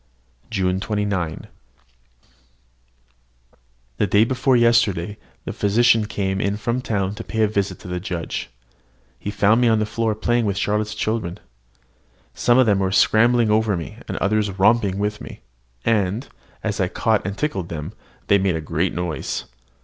JUNE 29. The day before yesterday, the physician came from the town to pay a visit to the judge. He found me on the floor playing with Charlotte's children. Some of them were scrambling over me, and others romped with me; and, as I caught and tickled them, they made a great noise.